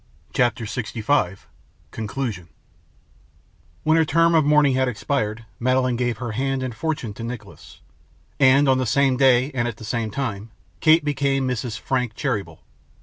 CHAPTER 65 Conclusion When her term of mourning had expired, Madeline gave her hand and fortune to Nicholas; and, on the same day and at the same time, Kate became Mrs. Frank Cheeryble.